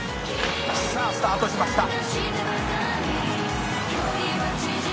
「さあスタートしました」